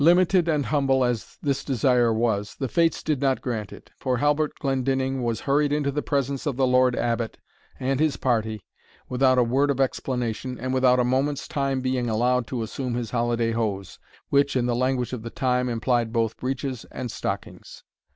Limited and humble as this desire was, the fates did not grant it, for Halbert Glendinning was hurried into the presence of the Lord Abbot and his party, without a word of explanation, and without a moment's time being allowed to assume his holiday hose, which, in the language of the time, implied both breeches and stockings.